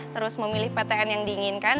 terus memilih ptn yang diinginkan